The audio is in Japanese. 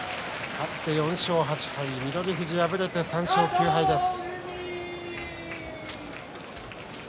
勝って４勝８敗翠富士、敗れて３勝９敗です。